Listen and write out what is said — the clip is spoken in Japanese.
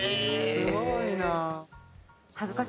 すごいな。